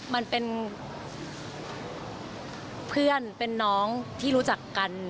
มันเป็นเพื่อนเป็นน้องที่รู้จักกัน